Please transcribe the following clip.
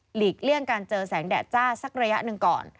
เลี่ยงการเจอแสงแดดจ้าสักระยะหนึ่งก่อน